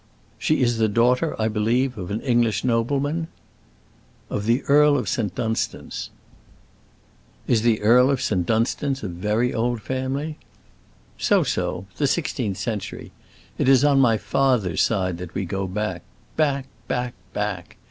"She is the daughter, I believe, of an English nobleman." "Of the Earl of St. Dunstan's." "Is the Earl of St. Dunstan's a very old family?" "So so; the sixteenth century. It is on my father's side that we go back—back, back, back.